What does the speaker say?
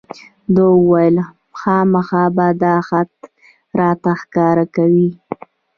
ده وویل خامخا به دا خط راته ښکاره کوې.